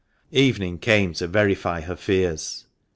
Evening came to verify her fears.